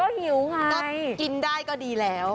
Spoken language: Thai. ก็หิวค่ะก็กินได้ก็ดีแล้ว